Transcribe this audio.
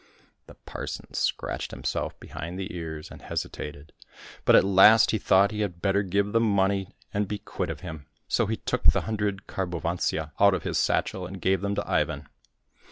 The parson scratched himself behind the ears and hesitated ; but at last he thought he had better give the money and be quit of him. So he took the hundred karhovantsya out of his satchel and gave them to Ivan.